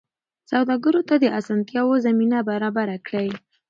سوداګرو ته د اسانتیاوو زمینه برابره کړئ.